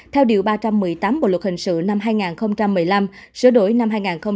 theo điều ba trăm một mươi tám bộ luật hình sự năm hai nghìn một mươi năm sửa đổi năm hai nghìn một mươi bảy